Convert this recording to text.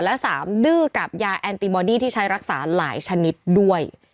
และ๓ดื้อกับยาแอนติบอดี้ที่ใช้รักษาหลายชนิดด้วย